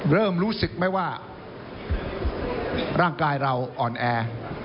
เริ่มรู้สึกไหมว่าร่างกายเราอ่อนแอ